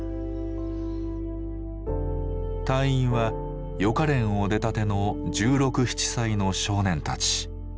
隊員は予科練を出たての１６１７歳の少年たち。